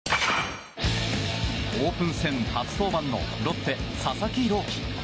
オープン戦初登板のロッテ、佐々木朗希。